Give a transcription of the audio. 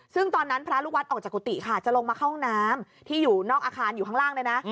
ซึ่งตอนนั้นพระลูกวัดออกจากกุฏิค่ะจะลงมาเข้าห้องน้ำที่อยู่นอกอาคารอยู่ข้างล่างเลยนะ